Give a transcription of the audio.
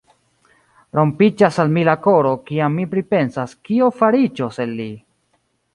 Rompiĝas al mi la koro, kiam mi pripensas, kio fariĝos el li!